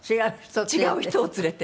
違う人を連れて？